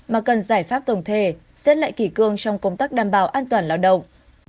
mà cần giải pháp tổng thể xét lại kỷ cương trong công tác đảm bảo an toàn lao động